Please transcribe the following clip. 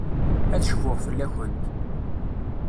Ad cfuɣ fell-akent.